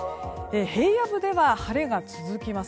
平野部では、晴れが続きます。